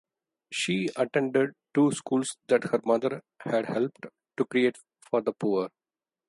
She attended two schools that her mother had helped to create for the poor.